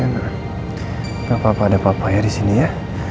gak apa apa ada papa ya disini ya